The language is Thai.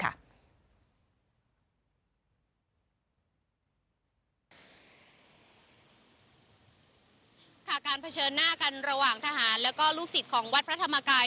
ค่ะการเผชิญหน้ากันระหว่างทหารแล้วก็ลูกศิษย์ของวัดพระธรรมกาย